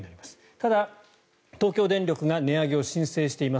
ただ、東京電力が値上げを申請しています。